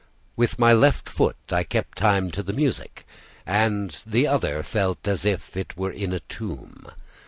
With my left foot I kept time to the music, and the other felt as if it were in a tomb.